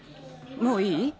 もういい？